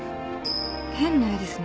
変な絵ですね。